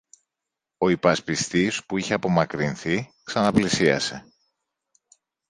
Ο υπασπιστής, που είχε απομακρυνθεί, ξαναπλησίασε.